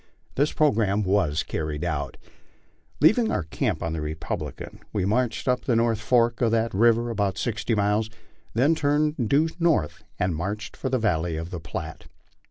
This programme was carried out. Leav ing our camp on the Republican, we marched up the north fork of that river about sixty miles, then turned nearly due north, and marched for the valley of the Platte.